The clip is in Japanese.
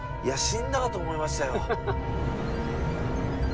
いや死んだかと思いましたよ。